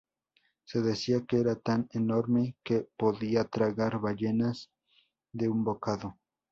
Se decía que era tan enorme que podía tragar ballenas de un bocado.